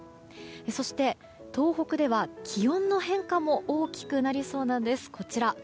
そして東北では気温の変化も大きくなりそうなんです。